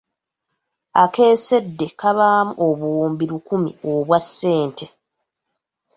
Akeesedde kabaamu obuwumbi lukumi obwa ssente.